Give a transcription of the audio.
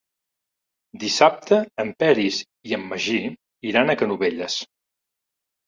Dissabte en Peris i en Magí iran a Canovelles.